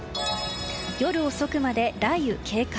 夜遅くまで雷雨警戒。